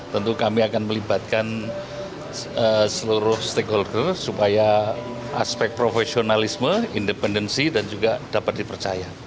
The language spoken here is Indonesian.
tentu kami akan melibatkan seluruh stakeholder supaya aspek profesionalisme independensi dan juga dapat dipercaya